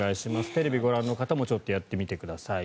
テレビをご覧の方もやってみてください。